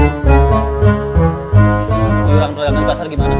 maafkan cari angkot yang lain saja saya mau pulang